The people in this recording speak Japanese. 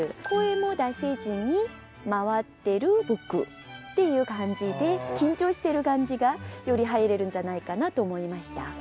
「声も出せずに回ってる僕」っていう感じで緊張してる感じがより入れるんじゃないかなと思いました。